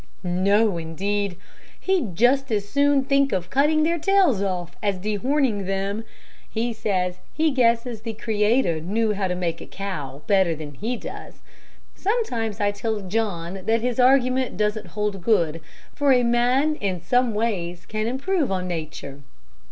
"No, indeed. He'd just as soon think of cutting their tails off, as of dehorning them. He says he guesses the Creator knew how to make a cow better than he does. Sometimes I tell John that his argument doesn't hold good, for a man in some ways can improve on nature.